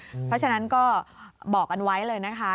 เพราะฉะนั้นก็บอกกันไว้เลยนะคะ